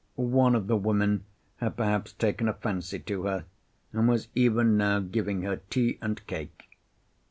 One of the women had perhaps taken a fancy to her, and was even now giving her tea and cake.